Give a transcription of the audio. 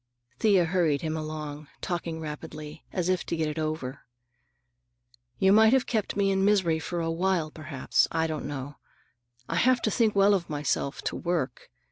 Thea hurried him along, talking rapidly, as if to get it over. "You might have kept me in misery for a while, perhaps. I don't know. I have to think well of myself, to work.